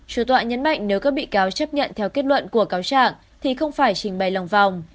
chủ tọa nhấn mạnh nếu các bị cáo chấp nhận theo kết luận của cáo trạng thì không phải trình bày lòng vòng